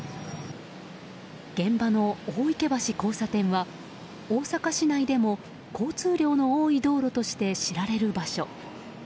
現場の大池橋交差点は大阪市内でも交通量の多い道路として知られる場所。